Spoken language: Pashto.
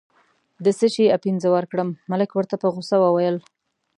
د څه شي اپین زه ورکړم، ملک ورته په غوسه وویل.